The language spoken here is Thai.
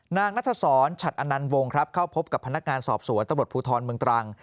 นางนัทศรฉัดอนันวงครับเข้าพบกับพนักงานสอบสวนตำรวจภูทรเมืองตรัง